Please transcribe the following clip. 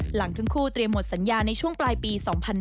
หลังทั้งคู่เตรียมหมดสัญญาในช่วงปลายปี๒๕๕๙